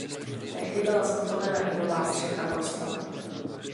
Tehdy byla zhotovena i nová střecha kostela.